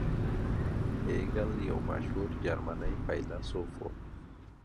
هیګل یو مشهور جرمني فیلسوف و.